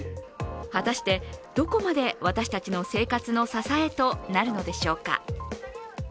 果たしてどこまで私たちの生活の支えとなるのでしょうか。